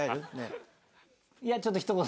いやちょっと一言。